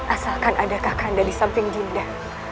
asalkan ada kak kanda di samping dinda